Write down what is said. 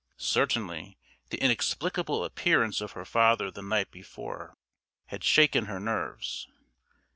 Certainly the inexplicable appearance of her father the night before had shaken her nerves.